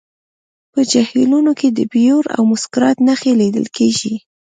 په جهیلونو کې د بیور او مسکرات نښې لیدل کیږي